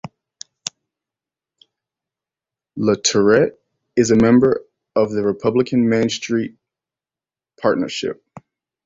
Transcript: LaTourette is a member of the Republican Main Street Partnership.